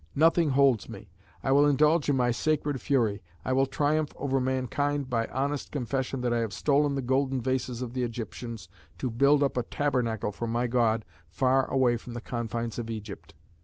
Nothing holds me; I will indulge in my sacred fury; I will triumph over mankind by the honest confession that I have stolen the golden vases of the Egyptians to build up a tabernacle for my God far away from the confines of Egypt.